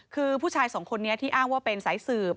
คือผู้ชายสองคนนี้ที่อ้างว่าเป็นสายสืบ